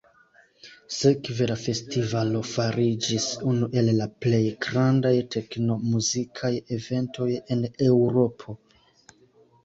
Sekve la festivalo fariĝis unu el la plej grandaj tekno-muzikaj eventoj en Eŭropo.